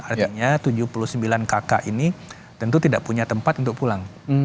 artinya tujuh puluh sembilan kakak ini tentu tidak punya tempat untuk pulang